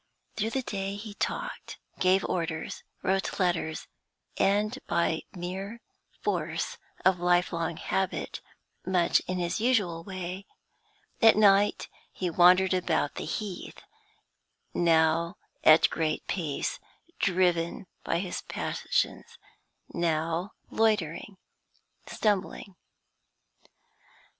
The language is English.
Through the day he talked, gave orders, wrote letters, and, by mere force of lifelong habit, much in his usual way; at night he wandered about the Heath, now at a great pace, driven by his passions, now loitering, stumbling.